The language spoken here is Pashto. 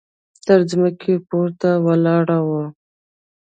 تر ځمکې پورته ولاړه وه.